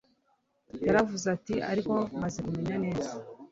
yaravuze ati ariko maze kumumenya neza